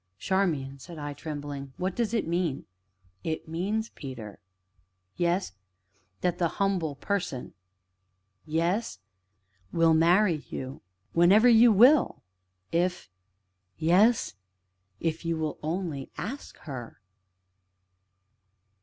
"Charmian," said I, trembling, "what does it mean?" "It means, Peter " "Yes?" "That the Humble Person " "Yes?" "Will marry you whenever you will if " "Yes?" "If you will only ask her."